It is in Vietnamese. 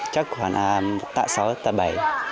chắc khoảng tạ sáu tạ bảy